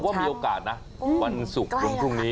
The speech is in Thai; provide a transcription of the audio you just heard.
เพราะว่ามีโอกาสนะวันศุกร์เดินพรุ่งนี้